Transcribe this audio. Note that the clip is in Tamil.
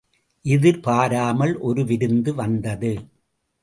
எதிர்பாராமல் ஒரு விருந்து வந்தது.